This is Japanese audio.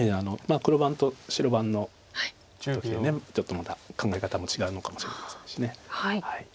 黒番と白番の時でちょっとまた考え方も違うのかもしれませんし。